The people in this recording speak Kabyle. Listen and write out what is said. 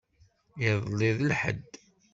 Iḍelli d lḥedd.